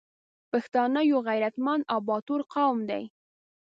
پښتانه یو غریتمند او باتور قوم دی